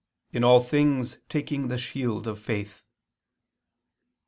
. in all things taking the shield of faith."